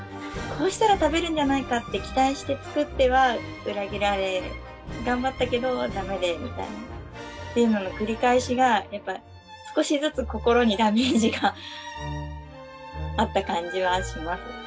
こうしたら食べるんじゃないかって期待して作っては裏切られ頑張ったけどダメでみたいなっていうのの繰り返しが少しずつ心にダメージがあった感じはします。